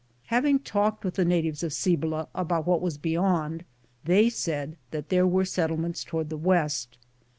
Having talked with the natives of Cibola about what was beyond, they said that there were settlements toward the west.